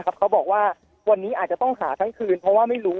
เขาบอกว่าวันนี้อาจจะต้องหาทั้งคืนเพราะว่าไม่รู้